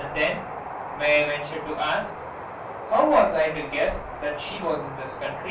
] And then may I venture to ask how was I to guess that she was in this country?